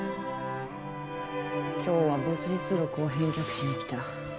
今日は没日録を返却しに来た。